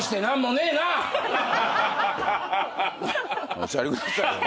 お座りください。